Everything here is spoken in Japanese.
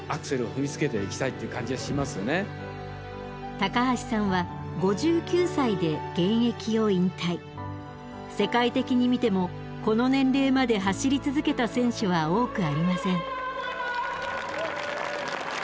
高橋さんは世界的に見てもこの年齢まで走り続けた選手は多くありません。